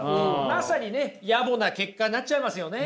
まさにね野暮な結果になっちゃいますよね。